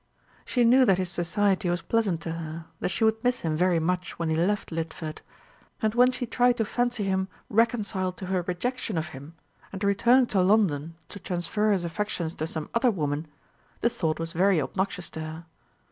She knew that his society was pleasant to her, that she would miss him very much when he left Lidford; and when she tried to fancy him reconciled to her rejection of him, and returning to London to transfer his affections to some other woman, the thought was very obnoxious to her.